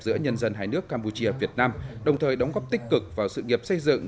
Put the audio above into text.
giữa nhân dân hai nước campuchia việt nam đồng thời đóng góp tích cực vào sự nghiệp xây dựng